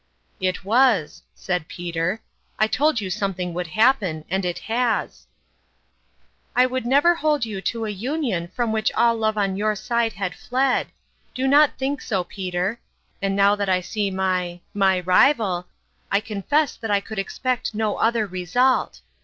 " It was," said Peter. " I told you some thing would happen and it has !"" I would never hold you to a union from which all love on your side had fled ; do not think so, Peter. And now that I see my my rival, I confess that I could expect no other result.